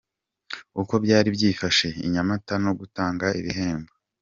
Uko byari byifashe i Nyamata no gutanga ibihembo.